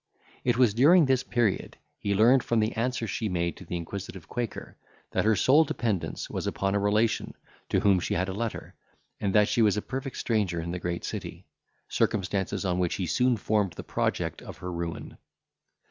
It was during this period, he learned from the answers she made to the inquisitive quaker, that her sole dependence was upon a relation, to whom she had a letter, and that she was a perfect stranger in the great city; circumstances on which he soon formed the project of her ruin.